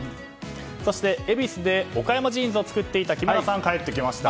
そして恵比寿で岡山ジーンズを作っていた木村さんが帰ってきました。